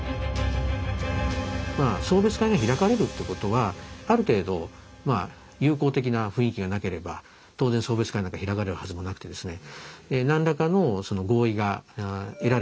まあ送別会が開かれるってことはある程度友好的な雰囲気がなければ当然送別会なんか開かれるはずもなくてですね